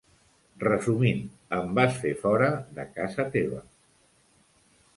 Resumint, em vas fer fora de casa teva.